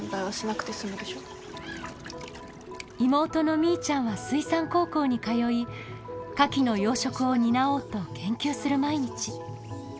妹のみーちゃんは水産高校に通いカキの養殖を担おうと研究する毎日。